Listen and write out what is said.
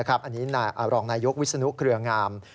อันนี้รองนายยกวิศนุเครืองาม